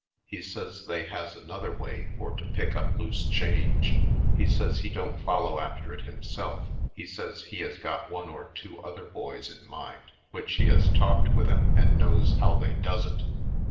He says they has an other way for to pick up loose change. He says he don't follow after it himself ; he says he has got one or two other boys in mind which he has talked with 'em and knows how they does it.